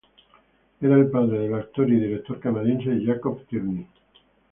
Era el padre del actor y director canadiense Jacob Tierney.